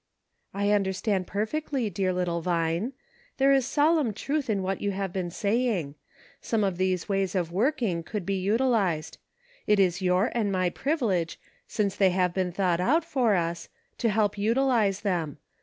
" I understand perfectly, dear little Vine ; there is solemn truth in what you have been saying ; some of these ways of working could be utilized ; it is your and my privilege, since they have been thought out for us, to help utilize them.